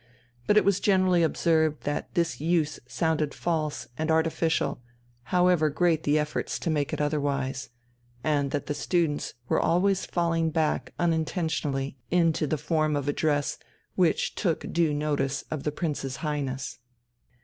But it was generally observed that this use sounded false and artificial, however great the efforts to make it otherwise, and that the students were always falling back unintentionally into the form of address which took due notice of the Prince's Highness.